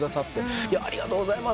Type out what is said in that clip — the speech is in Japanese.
「ありがとうございます」